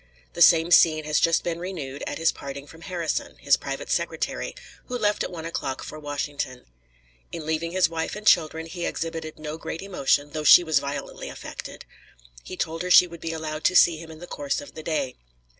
The same scene has just been renewed at his parting from Harrison, his private secretary, who left at one o'clock for Washington. In leaving his wife and children he exhibited no great emotion, though she was violently affected. He told her she would be allowed to see him in the course of the day.